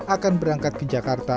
akan berangkat ke jakarta